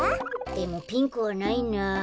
でもピンクはないな。